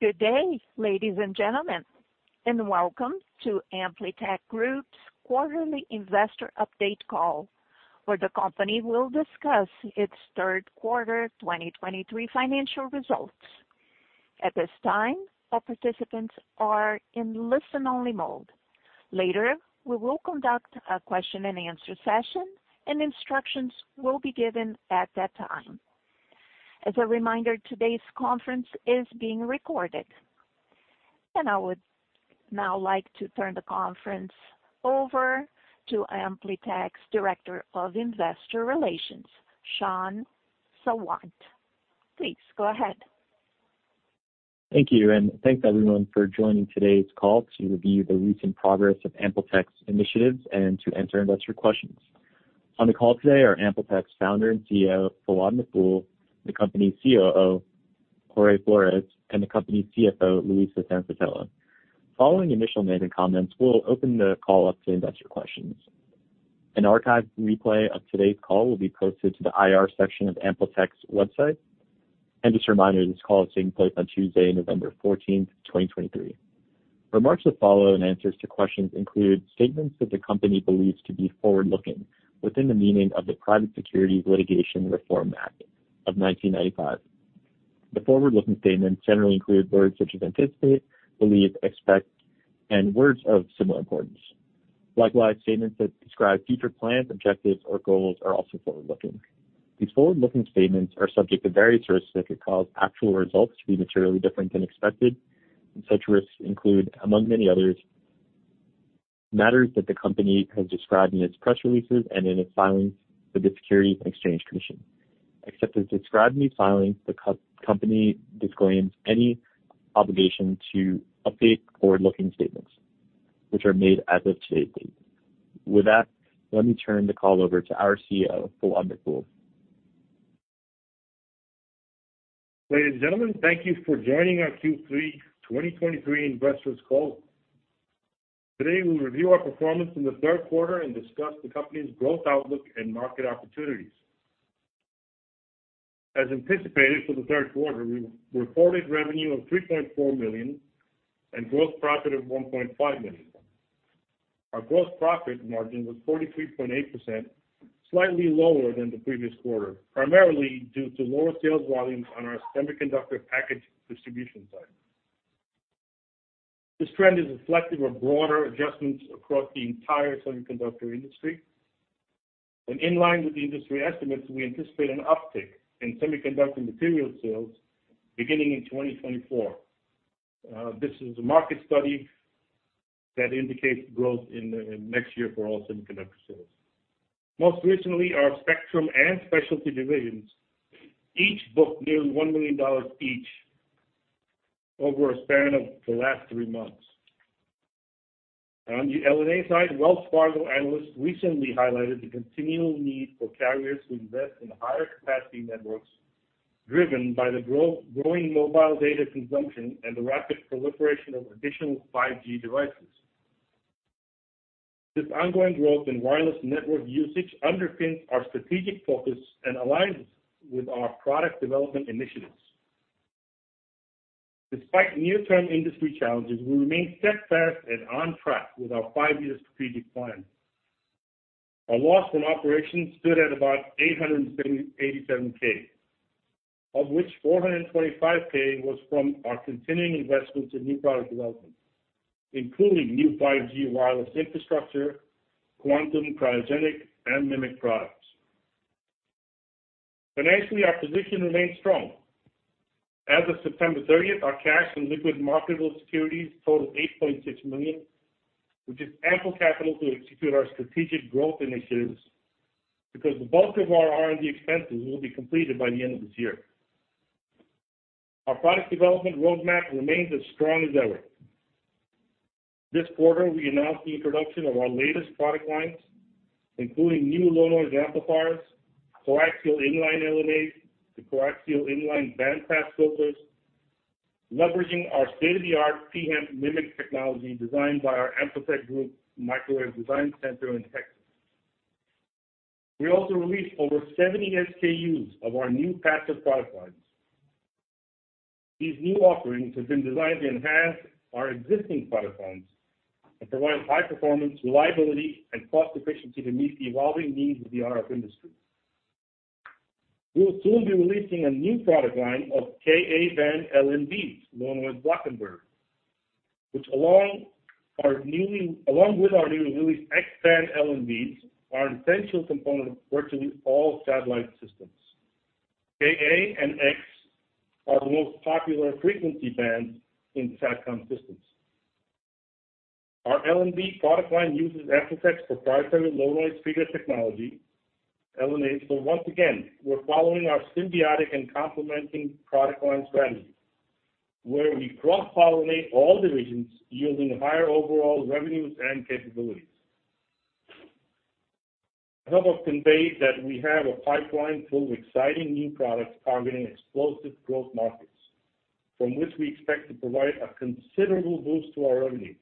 Good day, ladies and gentlemen, and welcome to AmpliTech Group's quarterly investor update call, where the company will discuss its third quarter 2023 financial results. At this time, all participants are in listen-only mode. Later, we will conduct a question and answer session, and instructions will be given at that time. As a reminder, today's conference is being recorded. I would now like to turn the conference over to AmpliTech's Director of Investor Relations, Shan Sawant. Please go ahead. Thank you, and thanks, everyone, for joining today's call to review the recent progress of AmpliTech's initiatives and to answer investor questions. On the call today are AmpliTech's Founder and CEO, Fawad Maqbool, the company's COO, Jorge Flores, and the company's CFO, Louisa Sanfratello. Following the initial comments, we'll open the call up to investor questions. An archived replay of today's call will be posted to the IR section of AmpliTech's website. Just a reminder, this call is taking place on Tuesday, November 14, 2023. Remarks that follow and answers to questions include statements that the company believes to be forward-looking within the meaning of the Private Securities Litigation Reform Act of 1995. The forward-looking statements generally include words such as anticipate, believe, expect, and words of similar importance. Likewise, statements that describe future plans, objectives, or goals are also forward-looking. These forward-looking statements are subject to various risks that could cause actual results to be materially different than expected. Such risks include, among many others, matters that the company has described in its press releases and in its filings with the Securities and Exchange Commission. Except as described in these filings, the company disclaims any obligation to update forward-looking statements which are made as of today's date. With that, let me turn the call over to our CEO, Fawad Maqbool. Ladies and gentlemen, thank you for joining our Q3 2023 investors call. Today, we'll review our performance in the third quarter and discuss the company's growth outlook and market opportunities. As anticipated, for the third quarter, we reported revenue of $3.4 million and gross profit of $1.5 million. Our gross profit margin was 43.8%, slightly lower than the previous quarter, primarily due to lower sales volumes on our semiconductor package distribution side. This trend is reflective of broader adjustments across the entire semiconductor industry. In line with the industry estimates, we anticipate an uptick in semiconductor material sales beginning in 2024. This is a market study that indicates growth in the next year for all semiconductor sales. Most recently, our Spectrum and Specialty divisions each booked nearly $1 million each over a span of the last three months. On the LNA side, Wells Fargo analysts recently highlighted the continual need for carriers to invest in higher capacity networks, driven by the growing mobile data consumption and the rapid proliferation of additional 5G devices. This ongoing growth in wireless network usage underpins our strategic focus and aligns with our product development initiatives. Despite near-term industry challenges, we remain steadfast and on track with our five-year strategic plan. Our loss in operations stood at about $887,000, of which $425,000 was from our continuing investments in new product development, including new 5G wireless infrastructure, quantum cryogenic, and MMIC products. Financially, our position remains strong. As of September 30, our cash and liquid marketable securities totaled $8.6 million, which is ample capital to execute our strategic growth initiatives, because the bulk of our R&D expenses will be completed by the end of this year. Our product development roadmap remains as strong as ever. This quarter, we announced the introduction of our latest product lines, including new low-noise amplifiers, coaxial in-line LNAs, the coaxial in-line bandpass filters, leveraging our state-of-the-art pHEMT MMIC technology designed by our AmpliTech Group Microwave Design Center in Texas. We also released over 70 SKUs of our new passive product lines. These new offerings have been designed to enhance our existing product lines and provide high performance, reliability, and cost efficiency to meet the evolving needs of the RF industry. We will soon be releasing a new product line of Ka-band LNBs, low-noise block converter, which, along with our newly released X-band LNBs, are an essential component of virtually all satellite systems. Ka and X are the most popular frequency bands in SatCom systems. Our LNB product line uses AmpliTech's proprietary low-noise figure technology, LNAs. So once again, we're following our symbiotic and complementing product line strategy, where we cross-pollinate all divisions, yielding higher overall revenues and capabilities. I hope I've conveyed that we have a pipeline full of exciting new products targeting explosive growth markets, from which we expect to provide a considerable boost to our revenue.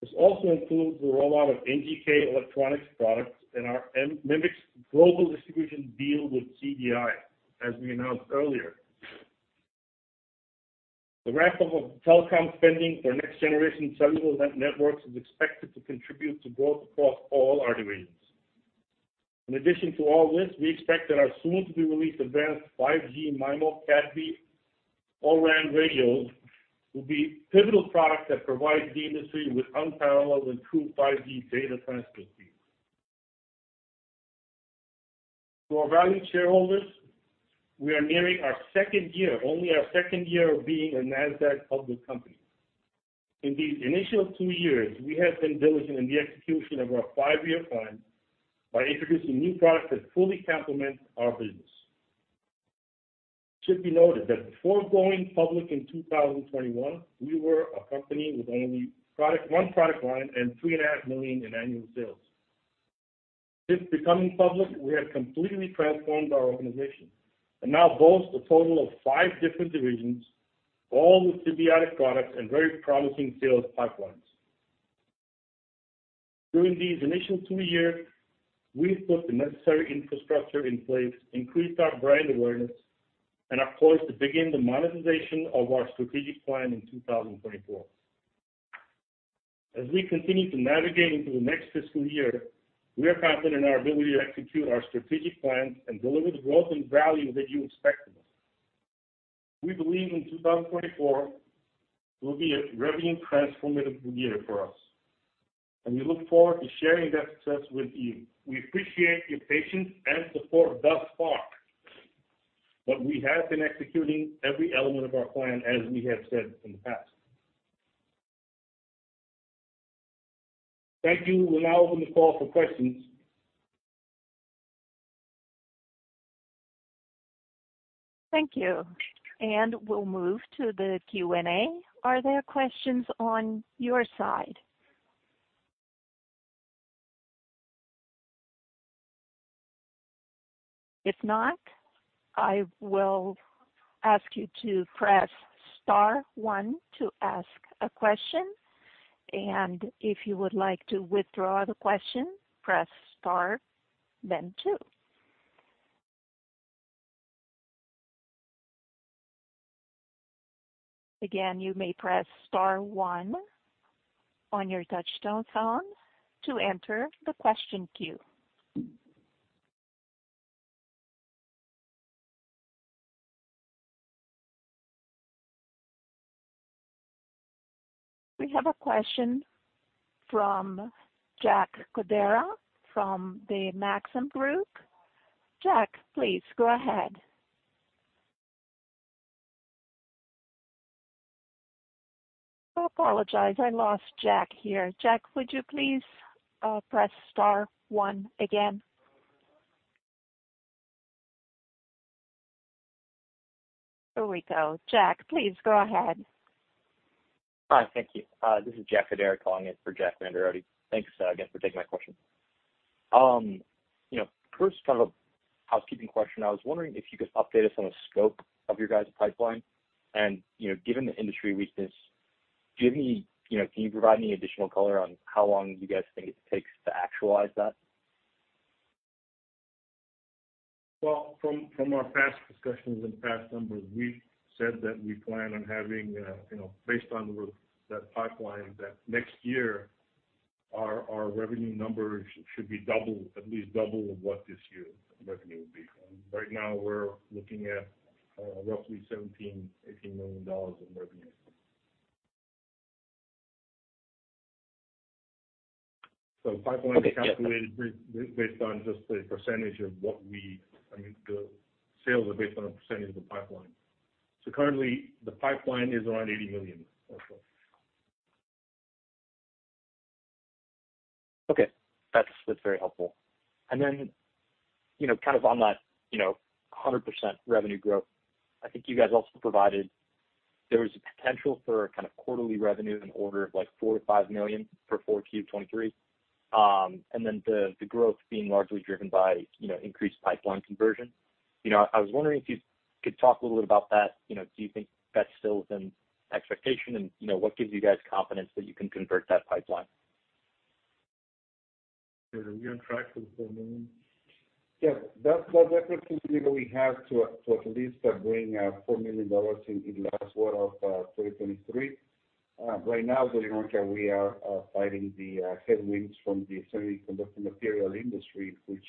This also includes the rollout of NGK Electronics products and our MMICs global distribution deal with CDI, as we announced earlier. The ramp up of telecom spending for next generation cellular networks is expected to contribute to growth across all our divisions. In addition to all this, we expect that our soon-to-be-released advanced 5G MIMO Cat B O-RAN radios will be pivotal products that provide the industry with unparalleled and true 5G data transfer speeds. To our valued shareholders, we are nearing our second year, only our second year of being a NASDAQ public company. In these initial 2 years, we have been diligent in the execution of our 5-year plan by introducing new products that fully complement our business. It should be noted that before going public in 2021, we were a company with only 1 product, 1 product line and $3.5 million in annual sales. Since becoming public, we have completely transformed our organization and now boast a total of five different divisions, all with symbiotic products and very promising sales pipelines. During these initial two years, we've put the necessary infrastructure in place, increased our brand awareness, and are poised to begin the monetization of our strategic plan in 2024. As we continue to navigate into the next fiscal year, we are confident in our ability to execute our strategic plan and deliver the growth and value that you expect of us. We believe in 2024 will be a revenue transformative year for us, and we look forward to sharing that success with you. We appreciate your patience and support thus far, but we have been executing every element of our plan as we have said in the past. Thank you. We'll now open the call for questions. Thank you, and we'll move to the Q&A. Are there questions on your side? If not, I will ask you to press star one to ask a question, and if you would like to withdraw the question, press star, then two. Again, you may press star one on your touchtone phone to enter the question queue. We have a question from Jack Vander Aarde from the Maxim Group. Jack, please go ahead. I apologize, I lost Jack here. Jack, would you please press star one again? Here we go. Jack, please go ahead. Hi, thank you. This is Jack Codera calling in for Jack Vander Aarde. Thanks again for taking my question. You know, first, kind of a housekeeping question. I was wondering if you could update us on the scope of your guys' pipeline and, you know, given the industry weakness, do you have any, you know, can you provide any additional color on how long you guys think it takes to actualize that? Well, from our past discussions and past numbers, we've said that we plan on having, you know, based on that pipeline, that next year, our revenue numbers should be double, at least double what this year's revenue would be. Right now, we're looking at roughly $17-$18 million in revenue. So the pipeline is calculated based on just the percentage of what we... I mean, the sales are based on a percentage of the pipeline. So currently, the pipeline is around $80 million, or so. Okay. That's very helpful. Then, you know, kind of on that, you know, 100% revenue growth, I think you guys also provided there was a potential for kind of quarterly revenue in order of, like, $4 million-$5 million for 4Q 2023. And then the growth being largely driven by, you know, increased pipeline conversion. You know, I was wondering if you could talk a little bit about that. You know, do you think that's still within expectation? And, you know, what gives you guys confidence that you can convert that pipeline? We are on track for the $4 million. Yeah, that's the reference that we have to at least bring $4 million in the last quarter of 2023. Right now, we are fighting the headwinds from the semiconductor material industry, which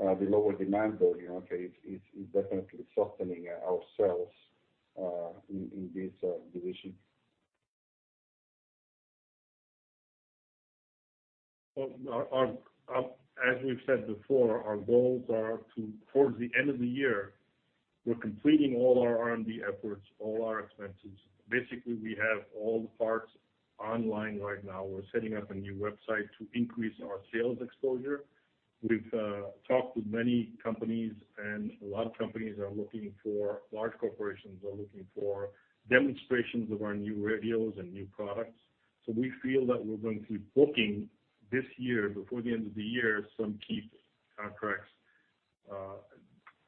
the lower demand there, you know, is definitely softening ourselves in this division. Well, as we've said before, our goals are towards the end of the year, we're completing all our R&D efforts, all our expenses. Basically, we have all the parts online right now. We're setting up a new website to increase our sales exposure. We've talked with many companies, and a lot of companies are looking for, large corporations are looking for demonstrations of our new radios and new products. So we feel that we're going to be booking this year, before the end of the year, some key contracts....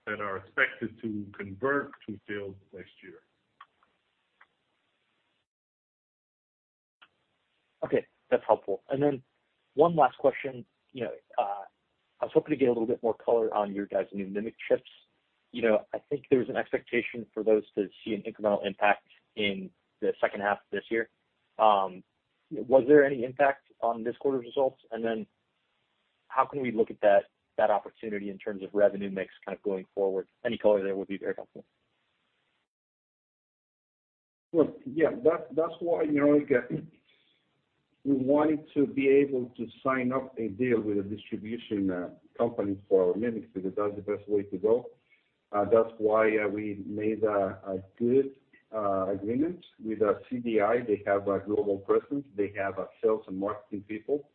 that are expected to convert to sales next year. Okay, that's helpful. And then one last question. You know, I was hoping to get a little bit more color on your guys' new MMIC chips. You know, I think there's an expectation for those to see an incremental impact in the second half of this year. Was there any impact on this quarter's results? And then how can we look at that opportunity in terms of revenue mix kind of going forward? Any color there would be very helpful. Well, yeah, that's why, you know, we wanted to be able to sign up a deal with a distribution company for our MMICs, because that's the best way to go. That's why we made a good agreement with CDI. They have a global presence. They have a sales and marketing people.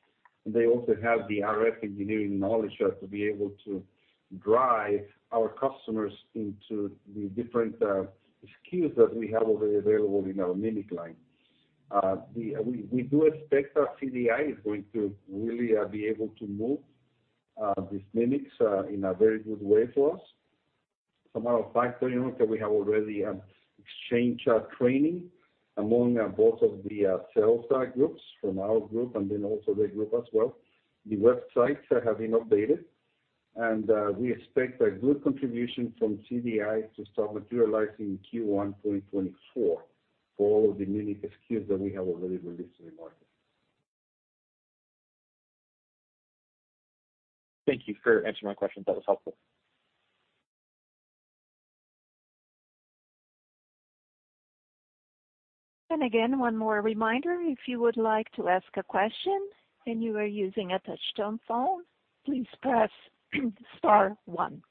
They also have the RF engineering knowledge to be able to drive our customers into the different SKUs that we have already available in our MMIC line. We do expect that CDI is going to really be able to move these MMICs in a very good way for us. From our factory, you know, that we have already exchanged our training among both of the sales groups, from our group and then also their group as well. The websites have been updated, and we expect a good contribution from CDI to start materializing in Q1 2024 for all of the MMIC SKUs that we have already released in the market. Thank you for answering my questions. That was helpful. And again, one more reminder, if you would like to ask a question and you are using a touchtone phone, please press star one.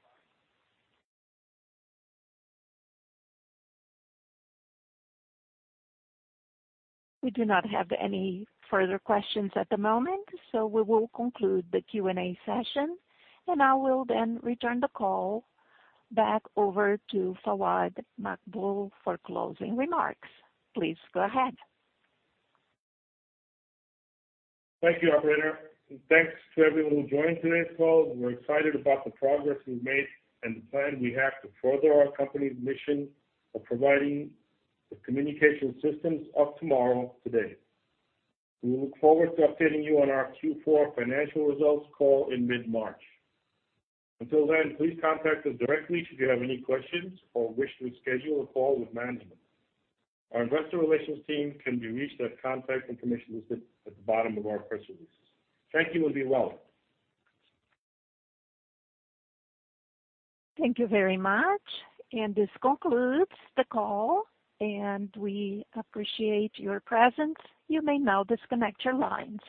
We do not have any further questions at the moment, so we will conclude the Q&A session, and I will then return the call back over to Fawad Maqbool for closing remarks. Please go ahead. Thank you, operator, and thanks to everyone who joined today's call. We're excited about the progress we've made and the plan we have to further our company's mission of providing the communication systems of tomorrow, today. We look forward to updating you on our Q4 financial results call in mid-March. Until then, please contact us directly if you have any questions or wish to schedule a call with management. Our investor relations team can be reached at contact information listed at the bottom of our press release. Thank you and be well. Thank you very much, and this concludes the call, and we appreciate your presence. You may now disconnect your lines.